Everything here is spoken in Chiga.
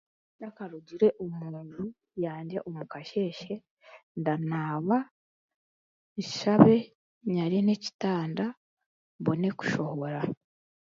Ntakarugire omu nju yangye omu kasheeshe, ndanaaba, nshabe, nyare n'ekitanda mbone kushohora.